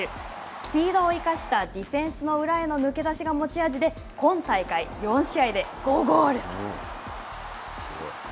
スピードを生かしたディフェンスの裏への抜け出しが持ち味で、今大会、４試合で５ゴールと。